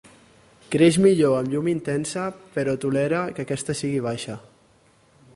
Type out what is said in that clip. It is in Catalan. Creix millor amb llum intensa però tolera que aquesta sigui baixa.